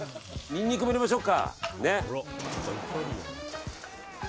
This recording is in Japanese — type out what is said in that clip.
ニンニクも入れましょうか。